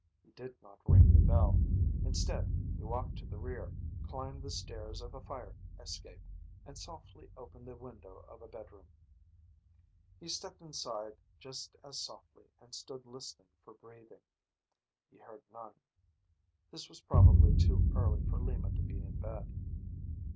He did not ring the bell. Instead, he walked to the rear, climbed the stairs of a fire escape, and softly opened the window of a bedroom. He stepped inside just as softly and stood listening for breathing. He heard none. This was probably too early for Lima to be in bed.